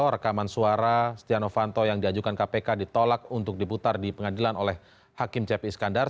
rekaman suara setia novanto yang diajukan kpk ditolak untuk diputar di pengadilan oleh hakim cp iskandar